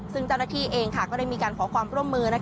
ซึ่งเจ้าหน้าที่เองก็ได้มีการขอความร่วมมือ